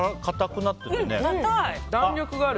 弾力がある。